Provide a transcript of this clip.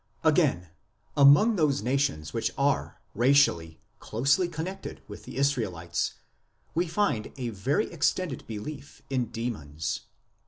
Again, among those nations which are, racially, closely connected with the Israelites we find a very extended belief in demons.